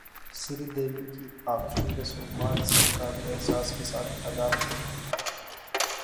سری دیوی کی اخری رسومات سرکاری اعزاز کے ساتھ ادا کی جائیں گی